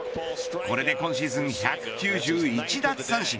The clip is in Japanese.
これで今シーズン１９１奪三振。